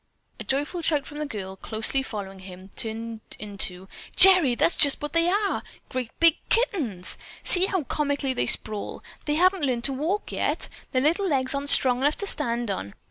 A joyful shout from the girl, closely following him, turned into "Gerry! That's just what they are! Great big kittens! See how comically they sprawl? They haven't learned to walk yet. Their little legs aren't strong enough to stand on.